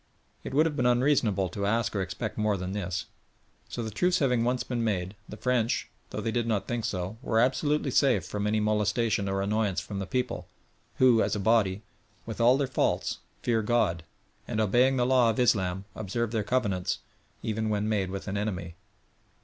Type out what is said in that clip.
It would have been unreasonable to ask or expect more than this. So the truce having once been made the French, though they did not think so, were absolutely safe from any molestation or annoyance from the people who, as a body, with all their faults, fear God, and, obeying the law of Islam, observe their covenants even when made with an enemy.